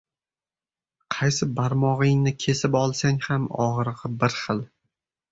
• Qaysi barmog‘ingi kesib olsang ham ― og‘rig‘i bir xil.